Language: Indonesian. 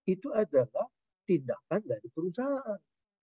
itu adalah tindakan dari perusahaan